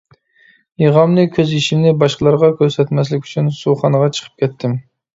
يىغامنى، كۆز يېشىمنى باشقىلارغا كۆرسەتمەسلىك ئۈچۈن سۇخانىغا چىقىپ كەتتىم.